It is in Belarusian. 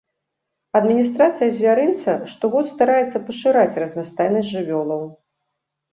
Адміністрацыя звярынца штогод стараецца пашыраць разнастайнасць жывёлаў.